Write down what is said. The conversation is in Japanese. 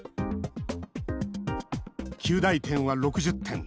及第点は６０点。